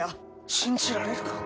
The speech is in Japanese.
信じられるか？